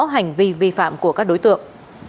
hành vi vi phạm của các đối tượng